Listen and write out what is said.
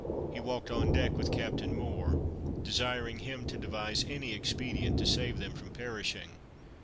He walked on deck with Captain Moore, desiring him to devise any expedient to save them from perishing.